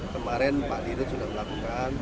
kemarin pak dirut sudah melakukan